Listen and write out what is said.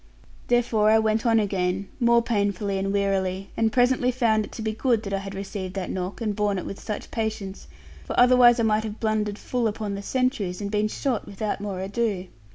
Therefore I went on again, more painfully and wearily, and presently found it to be good that I had received that knock, and borne it with such patience; for otherwise I might have blundered full upon the sentries, and been shot without more ado.